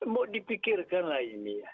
mau dipikirkan lah ini ya